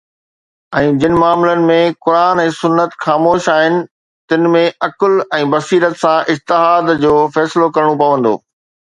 ۽ جن معاملن ۾ قرآن ۽ سنت خاموش آهن، تن ۾ عقل ۽ بصيرت سان اجتهاد جو فيصلو ڪرڻو پوندو.